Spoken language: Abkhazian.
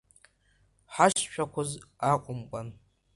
Ҳашшәақәоз акәымкәан…